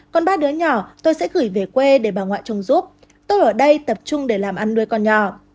còn ba đứa nhỏ tôi sẽ gửi về quê để bà ngoại trông giúp tôi ở đây tập trung để làm ăn nuôi con nhỏ